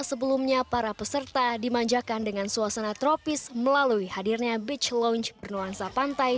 sebelumnya para peserta dimanjakan dengan suasana tropis melalui hadirnya beach lounge bernuansa pantai